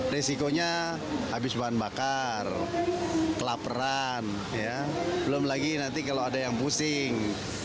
risikonya habis bahan bakar kelaperan belum lagi nanti kalau ada yang pusing